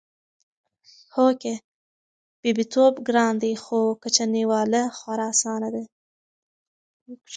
هو کې! بيبيتوب ګران دی خو کچنۍ واله خورا اسانه ده